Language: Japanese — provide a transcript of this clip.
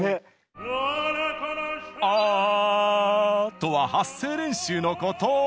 「あ！」とは「発声練習」のこと！